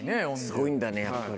すごいんだねやっぱり。